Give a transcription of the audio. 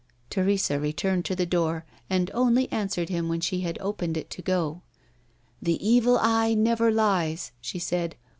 Teresa returned to the door, and only answered him when she had opened it to go. "The Evil Eye never lies," she said.